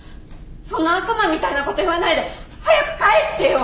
そんな悪魔みたいなこと言わないで早く帰してよ！